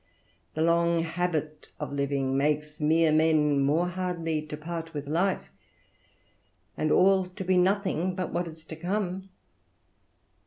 The long habit of living makes mere men more hardly to part with life, and all to be nothing, but what is to come.